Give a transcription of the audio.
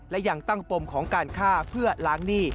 และยังตั้งปมของการฆ่าเพื่อล้างหนี้